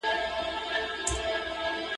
ايا دا ممکنه ده چي منځګړی د اصلاح اراده ونلري؟